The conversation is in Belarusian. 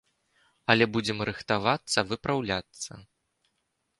Але будзем рыхтавацца, выпраўляцца.